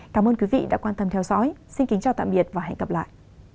cảm ơn quý vị đã quan tâm theo dõi xin kính chào tạm biệt và hẹn gặp lại